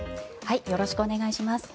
よろしくお願いします。